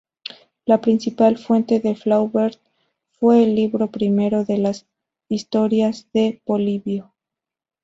La principal fuente de Flaubert fue el Libro I de las "Historias de Polibio".